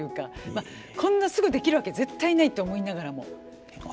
まあこんなすぐできるわけ絶対ないと思いながらも。